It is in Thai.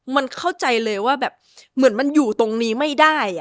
มันเข้าใจเลยว่าแบบเหมือนมันอยู่ตรงนี้ไม่ได้